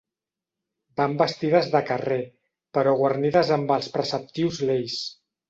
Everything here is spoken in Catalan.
Van vestides de carrer, però guarnides amb els preceptius leis.